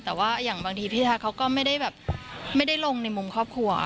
แต่ว่าอย่างบางทีพี่ทักเขาก็ไม่ได้แบบไม่ได้ลงในมุมครอบครัว